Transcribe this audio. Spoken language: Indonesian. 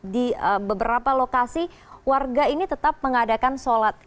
di beberapa lokasi warga ini tetap mengadakan sholat